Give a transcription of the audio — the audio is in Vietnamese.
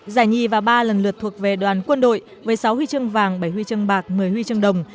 giải nhì và ba lần lượt thuộc về đoàn quân đội với sáu huy chương vàng bảy huy chương bạc một mươi huy chương đồng